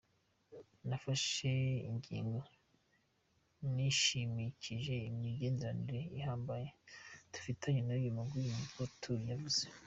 "Nafashe ingingo nishimikije imigenderanire ihambaye dufitaniye n'uyu mugwi," niko Toure yavuze.